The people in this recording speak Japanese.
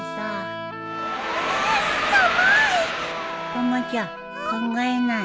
たまちゃん考えない。